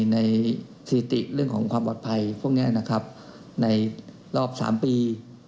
ในสติติเรื่องความปลอดภัยในรอบ๓ปี